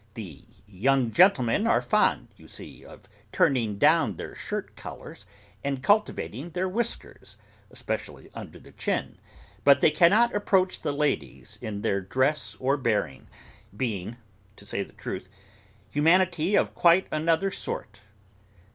The young gentlemen are fond, you see, of turning down their shirt collars and cultivating their whiskers, especially under the chin; but they cannot approach the ladies in their dress or bearing, being, to say the truth, humanity of quite another sort.